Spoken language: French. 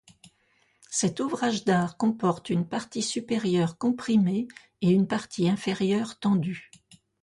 Cet ouvrage d'art comporte une partie supérieure comprimée et une partie inférieure tendue.